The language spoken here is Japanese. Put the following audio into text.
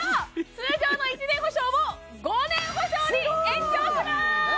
通常の１年保証を５年保証に延長します！